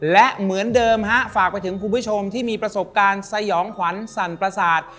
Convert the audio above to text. และเหมือนเดิมฮะฝากไปถึงคุณผู้ชมที่มีประสบการณ์สยองขวัญสั่นประสาท